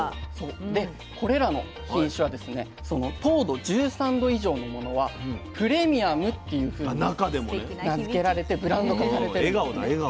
でこれらの品種はですね糖度１３度以上のものは「プレミアム」っていうふうに名付けられてブランド化されてるんですね。